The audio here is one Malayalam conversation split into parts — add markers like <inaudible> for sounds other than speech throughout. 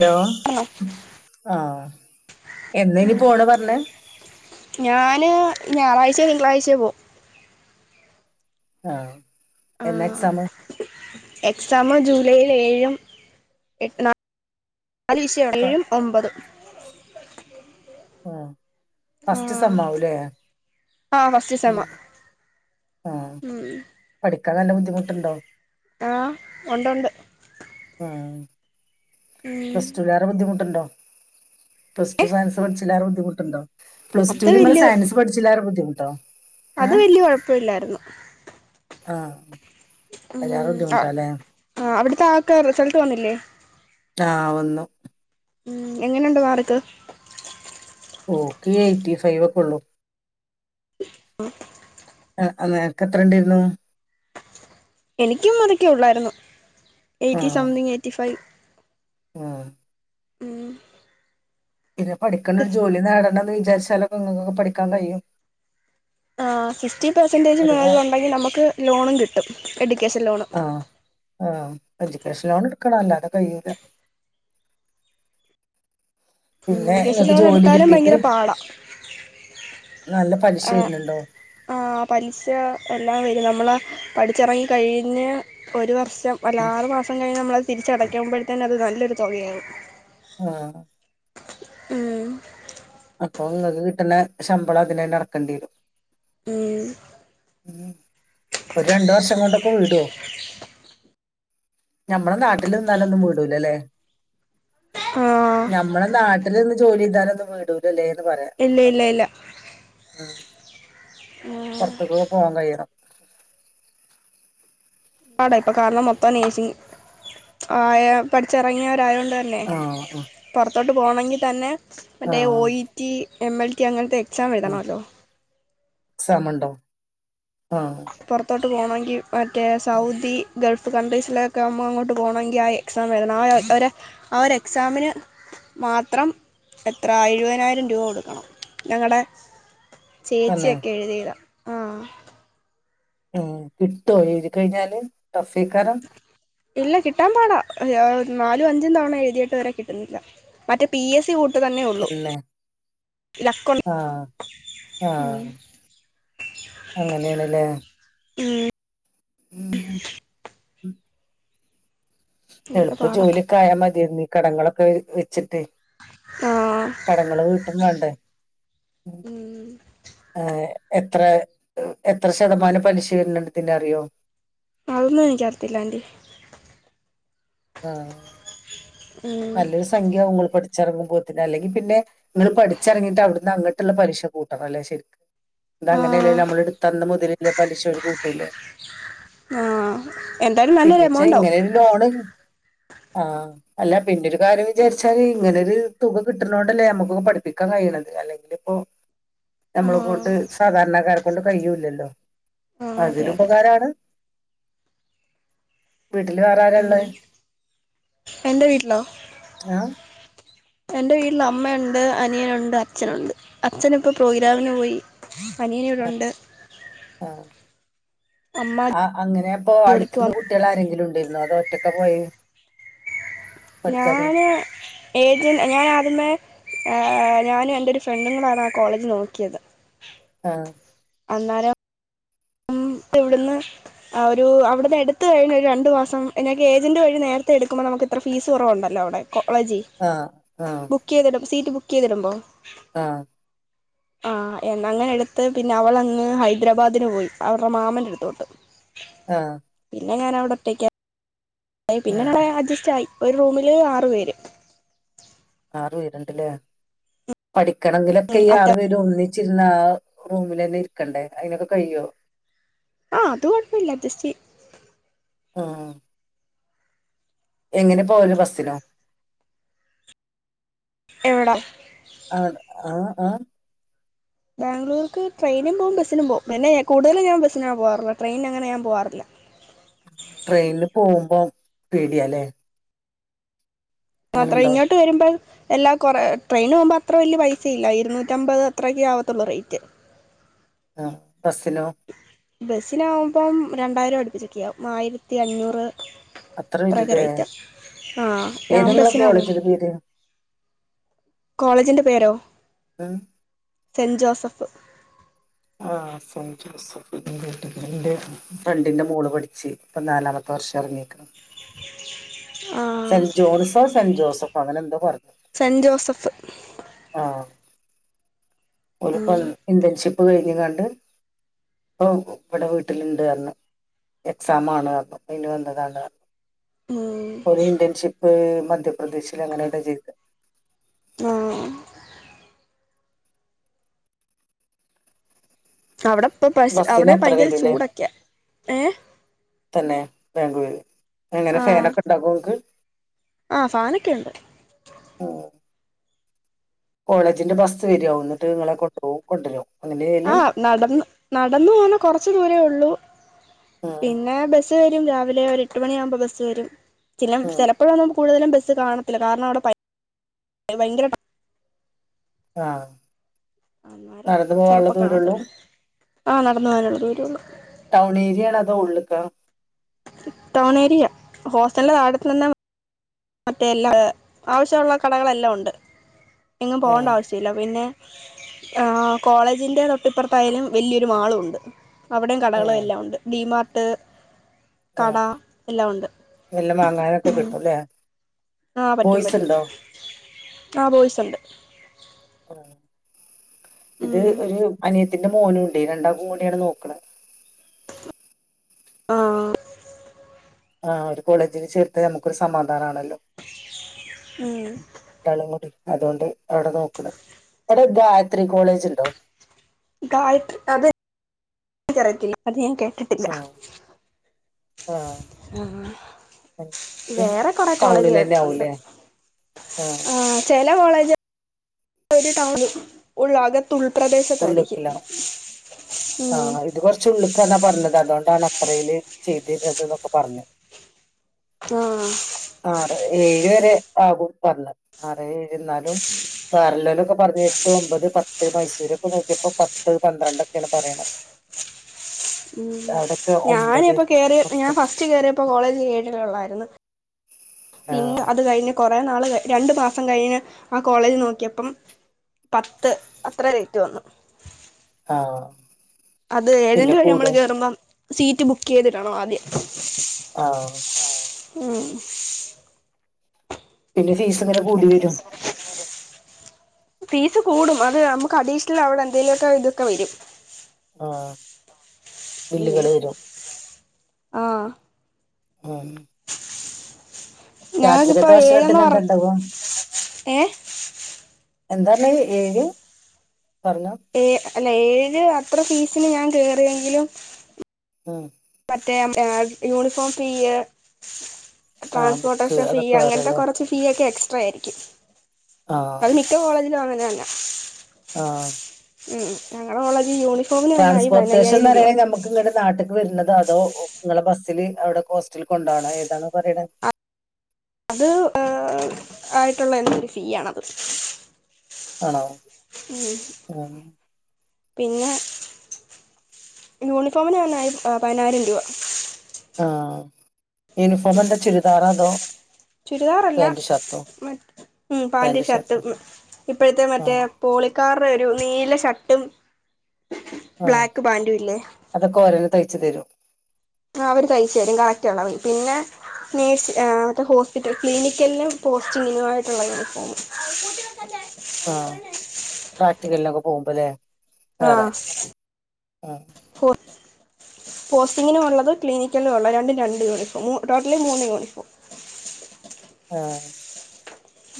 ഹലോ ആണോ ആഹ എന്നാ ഇനി പോണ പറഞ്ഞ ഞാന് ഞായറാഴ്ചയ തിങ്കളാഴ്ചയ പോ ആഹ ആ എന്നാക്സമ്. എക്സാം ജൂലൈൽ ഏഴും എട്ട നാല് ആല് വിഷയം ഏഴും ഒമ്പതും. ഫസ്റ്റ് സമ്മമാവുംലേ. ആഹ ഫസ്റ്റ് സെമാ. ആ പഠിക്കാൻ നല്ല ബുദ്ധിമുട്ടുണ്ടോ. ആ ഉണ്ടുണ്ട് ആഹ്. ഉം പ്ലസ്ടുവിലെ വേറെ ബദ്ധിുട്ടുണ്ടോ പ്ലസ്്ടടു സയൻസ് പഠിച്ചില്ലാറെ ബുദ്ധിമുട്ടുണ്ടോ പ്ലസ അത് ടു നിങ്ങള് വല്യ സയൻസ് പഠിച്ചില്ല ആരു ബുദ്ധിമുട്ടോ. അത് ഏഹ് വല്യ കൊഴപ്പില്ലായിരുന്നു. ആഹ് ഉ അതിലേറെ ബുദ്ധിമുട്ടാല്ലേ ആ അവിടുത്തെ ആക്ക റിസൾട്ട് വന്നില്ലേ. താവുന്നു ഉം എങ്ങനെണ്ട് മാാർക്ക് ഓക്കെ എയ്റ്റി ഫൈവ് ഒക്കെള്ളു ഉം അഹ് അമേക്കത്ര ണ്ടായിരുന്നു എനിക്കും അതൊക്കെ ഉള്ളായിരുന്നു. എയ്റ്റി ആഹ് സംതിങ് എയ്റ്റി ഫൈവ് ആഹ് ഉം പിന്നെ പഠിക്കണ ജോലി നേടണം ന്ന് വിചാരിച്ചാലൊക്കെ ങ്ങക്കൊക്കെ പഠിക്കാൻ കഴിയും. ആഹ് സിക്സ്റ്റി പെർസെൻറ്റേജിൻ ഒരു വ മേൾള്ണ്ടെങ്കി നമുക്ക് ലോണും കിട്ടും. എഡ്യൂക്കേഷൻ ലോണും ആഹ് ആഹ് എജ്യക്കേഷൻ ലോൺ എടുക്കണ അല്ലതെ കയ്യുല. ഉം പിന്നെ എഡ്യൂക്കേഷൻ ങ്ങക്ക് ജോലി കിട്ടീട്ട് നല്ല പലിശ അ വരുന്നുണ്ടോ ആ പൻ ച്ചാ <unintelligible> നമ്മള് പഠിച്ചറങ്ങി കഴി ഞ് ഒരു വർഷം ഉം. ഒരാറു മാസം കയ് കഴിഞ്ഞ മ്മളത്തിരിച്ചടക്കുമ്പോഴത്തിന് അത് നല്ലൊരു തുകയാവും ആ ഉമ് അപ്പൊ ങ്ങക്ക് കിട്ട് ണ ശമ്പളം അതിനന്നെ ട ക്ക ണ്ടെരും ഉം ഒരു രണ്ടു വർ ഷം കൊണ്ടൊക്കെ വീടോ ഞമ്മലെ നാട്ടില് നിന്നാലൊന്നും വീടൂ ലല്ലേ? ആഹ് ഞമ്മളെ നാട്ടിൽ നി ന്ന് ജോലി ചെയ്താലൊന്നും വീ ടൂലല്ലേ ന്ന് പറയാ ഇല്ല ഇല്ല ഇല്ല ഉം പോർത്ത് കൊക്കെ പോവാാൻ കയ്യ ണം ആടെ ഇപ്പൊ കാണ് ന്നൗ മൊത്തം നേസിംഗ് ആയ പഠിച്ചിറങ്ങിയ വ രായോ ത ന്നെ ആഹ് ആഹ് പുറത്തോട്ട് പോണെങ്കി തന്നെ മറ്റേ ഒ ആഹ് E T M L T അങ്ങനത്തെ സാം എഴുതണംതണല്ലോ ക് സാമണ്ടോ പൊറത്തോ പോണെങ്കിമറ്റേ സൗദി ഗൾഫ് കൺ്രീസിലൊക്കെ ന മ്മ അങ്ങോട്ട് പോണോ ങ്കി ആ എക്സാം എയ് ആ ഒ രാ ആ എക്സാമിന് മാത്രം എത്ര എഴുപതിനായിരം രൂപ കൊടുക്കണം ഞങ്ങടെ തന്നെ ചേച്ചിക്കെ എഴുതിയതാ ആ കിട്ടോ എഴു തി കഴിഞ്ഞാല് ടഫ്ഫെ ക്കാരം ഇല്ല കിട്ടാൻ പാടാ ആ നാലും അഞ്ചും തവണ എഴുതീ ട്ട് വരെ കിട്ടുന്നില്ല മറ്റേ പി എസ് സി കു ക്ക തന്നെ ഉള്ളൂ ലക് ആഹ് അങ്ങനെണ് ല്ലേ ഉമ് <inaudible> എളുപ്പ പാടാ ജോലിക്കെ ആയാ മതി ന്നു ഈ കടങ്ങളൊക്കെ വെച്ചിട്ടേ ആ കടങ്ങള് വീട്ടും വാ ണ്ടേ ഉം. ആ യ് എത്ര എത്ര ശതമാനം പലിശ വര് ണ്ണ്ട്‌ തിന റിയോ അതൊന്നും എനിക്കറത്തില്ല ആൻറി ആ നല്ലൊരു സംഖ്യആവും പഠിച്ചിറങ്ങുമ്പോത്തി ന് അല്ലെങ്കി പിന്നെ നിങ്ങൾ പഠിച്ചിറങ്ങിട്ട് അവിടുന്ന് അങ്‌ ട്ട് ട്ടു ള്ള പലിശ കൂട്ടണം അല്ലേ ശെരിക്ക അത ആ അങ്ങനെല്ല ല്ലോ നമ്മൾ എടുത്തന്ന മുതൽ ഉള്ള പലിശ ഓല് കൂട്ടൂല്ലേ ആ എന്തായാലും നല്ലൊരു പിന്നച്ചാ എമൗണ്ട് ആവും ഇങ്ങനെ ഒരു ലോണ് ആ അല്ല പിന്നെ ഒരു കാര്യം വിചാരിച്ചാല് ഇങ്ങനെരു തുക കിട്ടുന്ന ണ്ടല്ലേ നമ്മുക്കൊ ക്കെ പഠിപ്പിക്കാൻ കഴിയണത് അല്ലെങ്കില് ഇപ്പോ നമ്മള കൊണ്ട് ആഹ് സാധാരണക്കാരെ കൊണ്ട് കഴിയൂല്ലല്ലോ ആഹ് അതെ അതൊരു അതെ ഉപകാരാ ണ് വീട്ടില് വേറെ ആരാ ഉം ഉള്ളത് എന്റെ വീട്ടിലോ ആഹ് എന്റെ വീട്ടിൽ അമ്മയുണ്ട് അനിയനുണ്ട് അച്ഛനുണ്ട് അച്ഛൻ ഇപ്പോ പ്രോഗ്രാമി ന് പോയി അ നിയനു ഇവിടുണ്ട് അമ്മ ആ അങ്ങനെ അ പ്പൊ അടുത്തി ജോലിക്ക് ന്ന് പോവാ കുട്ടികൾ ആരെങ്കിലും ഉണ്ടര് ന്നോ അതോ ഒറ്റക്കാ പോയെ ഞാന് ഏജൻ ഞാനാദ്യമേ ഞാനും എന്റെ രു ഫ്രണ്ട് കുടേ ണ് ആ കോളേജ് നോക്കിയത് ആ അന്നേരം <inaudible> ഇവിടുന്ന് ആ ഒരു അവിടുന്ന് എടുത്തു കഴിഞ് ഒരു രണ്ട് മാസം എക്ക് ഏജന്റ് വഴി നേരത്തെ എടുക്കുമ്പോ നമുക്ക് <unintelligible> ഫീസ് കുറവുണ്ടല്ലോ അവിടെ കോളേജി ആഹ് ആഹ് ബുക്ക് ചെയ് സീറ്റ് ബുക്ക് ചെയ്തിടുമ്പോ ആഹ് ആ എന്നങ്ങനെ എടുത്ത് പിന്നെ അവളങ്ങ് ഹൈദരാബാദിന് പോയി അവർ എ മാമൻ്റെ അടുത്തോട്ട് ആ <unintelligible> ഞാൻ അവിടെയോറ്റക്ക <unintelligible> പിന്നെ നമ്മെ ആഹ് അഡ്ജസ്റ്റ് ആയി ഒരു റൂമില് ആറുപേര് <unintelligible> പഠിക്കണെങ്കിലൊക്കെ ഉം ഈ അത്ത ആറു പേര ഒന്നി ച്ചിരൂന്ന ആ റൂമിൽ തന്നെ ഇരിക്കണ്ടേ അതിനൊക്കെ കഴിയോ ആഹ് അത് ഒഴപ്പില്ല അ ജസ്റ്റി ആ എങ്ങനെ പോല ബസിനോ എവിടെ ആ ആ ആ ബാംഗലൂർക്ക് ട്രെയിനും പോവും ബസിനും പോവും പിന്ന കൂടുതലും ഞാൻ ബസിന പോവാറൂള്ളാ ട്രെയിന് അങ്ങനെ ഞാൻ പോവാറില്ല ട്രെയിനിൽ പോകുമ്പോ പേടിയാലേ അത്ര ഇങ്ങോട്ട് വരുമ്പോ എല്ലാ കുറ ട്രെയിന പോകുമ്പോൾ അത്ര വലിയ പൈസയില്ല ഇരുന്നൂറ്റമ്പത് അത്രയൊക്കെ ആവത്തുള്ളൂ റേറ്റ് ആ ബസ്സിലോ ബസ്സിനാവുമ്പം രണ്ടായിരം അടുപ്പിച്ചൊക്ക ആവും ആയിരത്തി അഞ്ഞൂറ് അത്ര വരൂലേ പ്രകറൈറ്റ ആ ഏതാ ഞാൻ നിങ്ങളെ ബസിനാ കോളേജിന്റെ പേര് കോളേജിന്റെ പേരോ ഉം സെന്റ് ജോസഫ് ആ് സെൻ്റ് ജോസഫ് എ ൻ്റെ ഫ്രണ്ടിന്റെ മോള് പഠിച്ച് ഇപ്പ നാലാമത്തെ <unintelligible> ആഹ് സെന്റ് ജോൺസോ സെന്റ് ജോസഫ അങ്ങനെ എന്തോ പറഞ്ഞു സെന്റ് ജോസഫ് ഒരുപ്പ ഉം ഇന്റേൺഷിപ്പ് കഴിഞ്ഞ കണ്ട് ഓ ഇവിടെ വീട്ടിലിണ്ടന്ന് എക്സാ ആണ് അതിന് വന്നതാണ് ഉം ഒരു ഇന്റൺഷിപ്പ് മ മധ്യപ്രദേശിൽ അങ്ങനെയണ്ട ജ ആഹ് അവിടെപ്പ പശ ബസ്സിന് അവിടെ എത്ര ഭയങ്കര വരൂല്ലേ ചൂടൊക്കെയ ഏ തന്നെ ബാംഗ്ലൂര് എങ്ങനെ ഫൻ ഒക്കെ ഉണ്ടാക്കും നിക്ക് ആ ഫാനൊക്കെണ്ട് ഉം കോളേജിന്റെ ബസ് വരികവും എന്നിട്ട് നിങ്ങളെ കൊണ്ടു പോ കൊണ്ടുവരോ ആ് നടന്ന് നടന്നു പോന്നെ കൊറച്ച് ദൂരേള്ളൂ ഉം പിന്നെ ബ രാവിലെ ഒരു എട്ട് മണി ആമ്പോ ബസ് വരും ചില ഉം ചിലപ്പോഴ കൂടുതലും ബസ്സ് കാണത്തില്ല കാരണം അവിടെ ഭയ ഭയ ആ അന്നേരം ചെലപ്പോ കാണത്തില്ല ആ നടന്ന പോകാനുള്ള ദൂരള്ളൂ ടൗൺ ഏരിയണതോ ഉള്ളക്ക ടൗൺ ഏരിയ ഹോസ്റ്റലിന്റെ താഴത്ത് തന്നെ മറ്റേ എല്ലാ ആവശ്യള്ള കടകളെല്ലാം ഉണ്ട് എങ്ങും പോണ്ട ഏഹ് ആവശ്യമില്ല പിന്നെ ആ കോളേജിന്റെ തൊട്ടിപ്പുറത്തായാലും വല്യരു മാളുണ്ട്. അവിടെയും കടകളും എല്ലാം ഉണ്ട് ഡിമാർട്ട് ആ കട എല്ലാം ഉണ്ട് എല്ലാം വാങ്ങാനൊക്കെ കിട്ടുംല്ലേ ആ പറ്റും ബോയ്സ് പറ്റും ഉണ്ടോ ആ ബോയ്സുണ്ട് ആ. ഇത് ഒരു അനി തിന്റെ മോനുണ്ടെയ്. രണ്ടാൾക്കും കൂടിയാണ് നോക്കണ്. ആഹ് ആ ഒരു കോളേജില് ചേർത്ത നമുക്കൊരു സമാധാനാണല്ലോ. മം ള്ളങ്ങോട്ട്. അതോണ്ട് അവിടെ നോക്ണ്. അവ്ടെ ഗായത്രി കോളേജ് ണ്ടോ ഗായത്രി അത് നിക്കറിയത്തില്ല. അത് ഞാൻ കേട്ടിട്ടില്ല ആഹ് ആഹ് ആ ഇത് വേറെ കൊറെ കോളേജ് ടൗണിലെന്നെ കേട്ടിട്ടുണ്ട് ആവൂല്ലേ ആഹ് ചെ എല്ലാ കോളേജ ഒരു ടൗൺ ഉള്ളാകത് ഉൾപ്രദേശത്തായിരിക്കും ഉള്ള്ക്കിലാവും ഉം ആഹ് ഇത് കൊർച് ഉള്ള്ക്കന്നാ പറഞ്ഞത്. അതോണ്ടാണ് അത്രേയില് ചെയ്തെര്ന്നത് ന്നൊക്കെ പറഞ്ഞു ആഹ് ആറ് ഏഴ് വരെ ആകും പറഞ്ഞത് ആറേഴ് വരെ. ന്നാലും പാർലലോലൊക്കെ പറഞ്ഞ് എട്ട് ഒമ്പത് പത്ത് മൈസൂരൊക്കെ നോക്കിയപ്പോ പത്ത് പന്ത്രണ്ടൊക്കെണ് പറണന്നത് ഞാന് ഇപ്പോ കേറിയ ഞാൻ പറഞ്ഞു ഫസ്റ്റ് കേറിയപ്പോ കോളേജ് കേട്ടിട്ടൊള്ളായിരുന്ന് പിന്ന് ആഹ് അത് കഴിഞ്ഞ കൊറേ നാള് കഴി ഞ്ഞു രണ്ടു മാസം കഴിഞ്ഞ് ആ കോളേജ് നോക്കിയപ്പം പത്ത് അത്ര റേറ്റ് വന്നു ആഹ് അത് പിന്നെ ഏജന്റ് വഴി നമ്മള് കൂടും കേയറുബം സീറ്റ് ബുക്ക് ചെയ്തിടണം ആദ്യം. ആഹ് ഉം <unintelligible> പിന്നെ ഫീസ് ഇങ്ങനെ കൂടി വരും <unintelligible> ഫീസ് കൂടും അത് നമുക്ക് അഡീഷണൽ അവിടെ എന്തേലൊക്കെ ഇതൊക്കെ വെരും. ആഹ്. ഉം ബില്ലുകള് വരും ആഹ് ഉം ഞങ്ങക്കിപ്പോ രാത്രികതെ ഏഴന്ന് ഭക്ഷണത്തിന് പറ എന്താണ്ടാവാ ഏ എന്താണ് ഏഴ് പർഞ്ഞോ ഏ അല്ല ഏഴ്ന് അത്ര ഫീസിന് ഞാൻ കേറിയെങ്കിലും ഉം റ്റേം ആ യൂണിഫോം പിയ് ആഹ് ബുക്ക് ട്രാൻസ്പോർട്ടേഷൻ ഫീ അതൊക്കെ അങ്ങൻത്തെ വേറെല്ലേ കൊർച്ച് ഫീ ഒക്കെ എക്സ്ട്രാ ആയിരിക്കും അത് ആഹ് മിക്ക കോളേജിലും അങ്ങനെയ ന്നെ ആഹ് ഉം ഞങ്ങളെ കോളേജിൽ യൂണി ട്രാൻസ്പോർട്ടേഷൻന്ന് പറണ നമുക് ഇങ്ങട് നാട്ട് വര്ന്നത് അതോ നിങ്ങളെ ബസ്സില് അവിടെ കോസ്റ്റില് കൊണ്ടാണോ ഏതാണ് പറിണ് അത് ആയിട്ടുള്ള എന്തോരു ഫീ ആണത് ആണോ ഉം പിന്നെ യൂണിഫോമിനെന്നെ ആയി പതിനായിരം രൂപ ആഹ് യൂനിഫോമെന്താ ചുരിദാർ അതോ? ചുരിദാറല്ല പാന്റ് ഷർട്ടോ മറ്റ് ഉ പാാന്റ് പാന്റ് ഷർട്ട് ഷർട്ടോ ഇപ്പോഴത്തെ ആ മറ്റേ പോളി കാരീം നീല ഷർട്ടും ആ ബ്ലാക്ക് പാാന്റും ഇല്ലേ അതൊക്കെ ഓരന്നെ തയ്ച്ചു തരും ആ അവര് കഴയ്ച്ച് തരും കറക്റ്റ് ഉള്ള പിന്നെ നേഴ്സ് മറ്റേ ഹോസ്പിറ്റൽ ക്ലിനിക്കലും പോസ്റ്റിങ്ങിനു ആമായിട്ടുള്ള യൂണിഫോം രാായ ആഹ പ്രാക്ടിക്കലിനൊക്കെ പോകുമ്പോ അല്ലേ ആഹ പോസ്റ്റിങ്ങിനും ഉള്ളത ക്ലിനിക്കലിനും ഉള്ളത് രണ്ടും രണ്ട് യൂണിഫോം ടോട്ടലി മൂന്ന് യൂണിഫോം <inaudible> ആഹ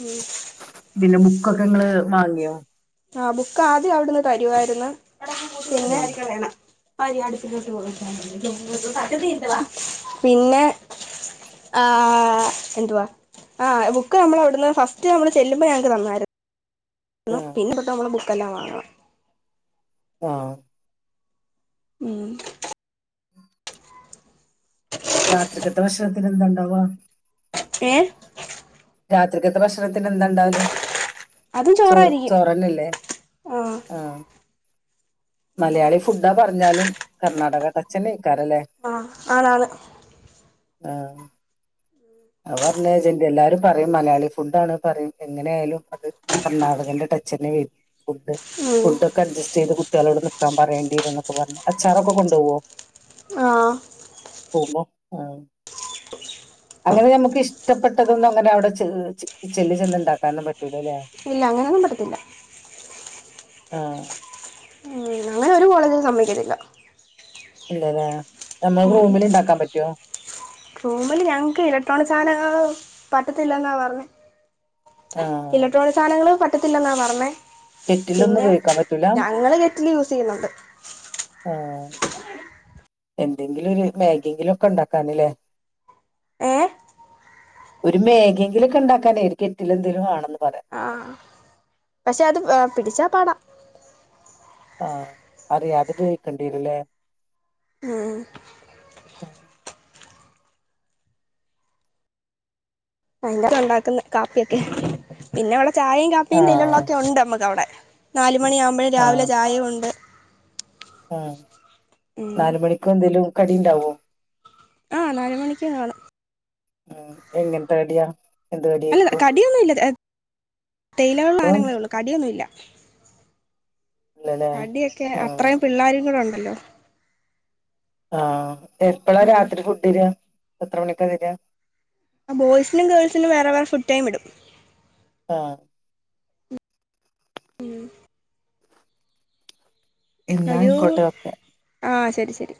ഉം പിന്നെ ബുക്കൊക്കെങ്ങള് വാങ്ങിയോ? ആഹ് ബുക്ക് ആദ്യം അവിടുന്ന് തരുവായിരുന്നു. പിന്നെ ആ <inaudible> പിന്നെ ആഹ് എന്തുവാ? ആഹ് ബുക്ക് നമ്മള അവടുന്ന് ഫസ്റ്റ് നമ്മൾ ചെല്ലുമ്പോ ഞങ്ങക്ക് തന്നായിരുന്നു. ആ ന്നോ പിന്ന പ്പെതാ മ്മളെ ബുക്കെല്ലാം വാങ്ങാ ആഹ് ഉം രാത്രികത്തെ വഷണത്തിന് എന്താണ്ടാവ? ഏഹ് രാത്രിക്ത്തെ വക്ഷണത്തിന് എന്തണ്ടാവല്? അതും ചോറ് ചോറായിരിക്കും ചോറന്നല്ലേ? ആഹ് മലയാളി ഫുഡാ പറഞ്ഞാലും കർണ്ണാടകച്ഛനെ ആഹ് ആനാന് ആഹ്‌ അവർണജന്റെ എല്ലാരും പറയും മലയാളി ഫുഡ് ആണ് പറയും എങ്ങനെ ആയാലും അത് കർണാടകന്റെ ടച്ച് തന്നെ വരും ഫുഡ് ഉം ഫുഡ് ഒക്കെ അഡ്ജസ്റ്റ് ചെയ്ത് കുട്ടികളോട് നിക്കാൻ പറയണ്ടിരുന്ന എപ്പ പറഞ്ഞു അച്ചാറൊക്കെ കൊണ്ടുപോവോ ആഹ്‌ ഹോമോ ആഹ്‌ അങ്ങനെ നമുക്ക് ഇഷ്ടപ്പെട്ടതൊന്നും അങ്ങനെ അവിടെ ച കിച്ചനിലെ ചെന്ന ഉണ്ടാക്കാനും പറ്റലൂ അല്ലേ ഇല്ല അങ്ങനൊന്നും പറ്റത്തില്ല ആഹ്‌ ഉം അങ്ങനെ ഒരു കോളേജലും സമ്മിക്കത്തില്ല അല്ലല്ലേ നമ്മൾ റൂമില് ഇണ്ടാക്കാൻ പറ്റോ റൂമിലെ ഞങ്ങക്ക് ഇലക്ട്രോണിക് സാധനങ്ങൾ പറ്റത്തില്ലെന്നാ പറഞ്ഞെ ആഹ് ഇലക്ട്രോണിക് സാധനങ്ങ പറ്റത്തില്ലെന്നാ പറഞ്ഞേ കെറ്റിലൊന്നും പിന്നെ ഉപയോഗിക്കാൻ പറ്റൂല ഞങ്ങളെ കെറ്റിലെ യൂസ് ചെയ്യുന്നുണ്ട് ആഹ്‌ എന്തെങ്കിലും ഒരു മാഗിങ്കിലും ഒക്കെ ഉണ്ടാക്കാനല്ലേ ഏ ഒരു മാഗിങ്കിലൊക്കെ ഉണ്ടാക്കാന എ കെറ്റിലെന്തേലും ആണെന്ന് പറയാ ആ പക്ഷെ അത് പിടിച്ചാ പാടാ ആഹ്‌ അറിയാം അത്പയിക്കണ്ടീരല്ലേ ഉം ആഹ്‌ അയിക്ക ഉണ്ടാക്കുന്ന കാപ്പിയൊക്കെ പിന്നെ ഇവിടെ ചായയും കാപ്പിയും തെല്ലള്ള ആഹ് ഒക്കെ ഉണ്ട് നമ്മക്ക് അവിടെ നാലുമണിയാാവുമ്പോഴും രാവിലെ ചായയുണ്ട് ഉം ഉം നാലുമണിക്കെ എന്തേലും കടി ഉണ്ടാവോ ആ നാല് മണിക്ക് കാണും- ഉം എങ്ങൻ തേഡ്യാ അല്ല ല്ല കടിയൊന്നും ഇല്ലഏ ഇപ്പം തേയിലവെള്ളാണെങ്കിലെ ഒള്ളൂ കടിയൊന്നു ഇല്ല ഇല്ലല്ലേ കടിയൊക്കെ ആഹ് അത്രയും പിള്ളേരും കൂടെ ഉണ്ടല്ലോ ആഹ് എപ്പളാ ഉം രാത്രി ഫുഡ്ഡ ര. എത്ര മണിക്ക വര ബോയ്സിനും ഗേൾസിനും വേറെ വേറെ ഫുഡ് ടൈംമിടും ആഹ് ഉം എന്നാ അയ്യോ ആയിക്കോട്ടെ ഓക്കെ ആഹ് ശരി ശരി